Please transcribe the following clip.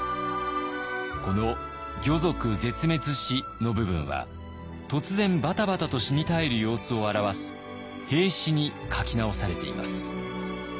この「魚族絶滅し」の部分は突然バタバタと死に絶える様子を表す「斃死」に書き直されています。